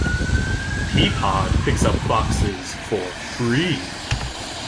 Peapod picks up boxes for free.